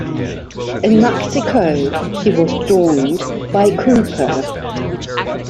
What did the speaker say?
In Mexico, she was joined by Cooper.